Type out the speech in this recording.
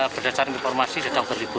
berdasarkan informasi sudah sampai ribu